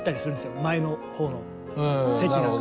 前の方の席の方。